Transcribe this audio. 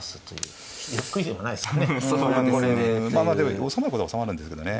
まあまあでも収まることは収まるんですけどね。